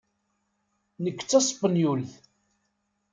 Nekk d taspenyult.